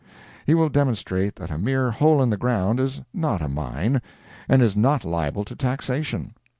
He will demonstrate that a mere hole in the ground is not a mine, and is not liable to taxation.